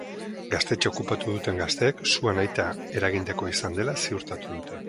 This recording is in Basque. Gaztetxea okupatu duten gazteek sua nahita eragindakoa izan dela ziurtatu dute.